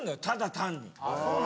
ただ単に。